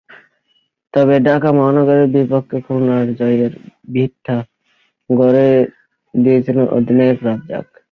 তবে ঢাকা মহানগরের বিপক্ষে খুলনার জয়ের ভিতটা গড়ে দিয়েছিলেন অধিনায়ক রাজ্জাক।